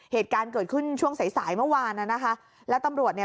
เหตุการณ์เกิดขึ้นช่วงสายสายเมื่อวานน่ะนะคะแล้วตำรวจเนี่ย